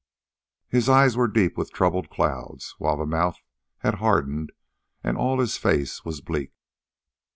His eyes were deep with troubled clouds, while the mouth had hardened, and all his face was bleak.